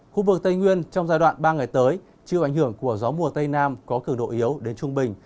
khu vực tây nguyên trong giai đoạn ba ngày tới chịu ảnh hưởng của gió mùa tây nam có cường độ yếu đến trung bình